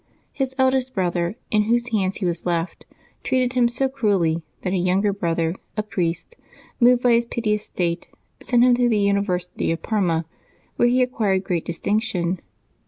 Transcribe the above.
His eldest brother, in whose hands he was left, treated him so cruelly that a 3^unger brother, a priest, moved by his piteous state, sent him to the University of Parma, where he acquired great distinction.